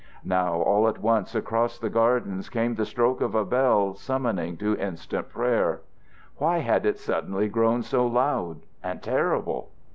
Now all at once across the gardens came the stroke of a bell summoning to instant prayer. Why had it suddenly grown so loud and terrible?